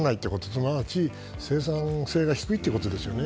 すなわち生産性が低いということですよね。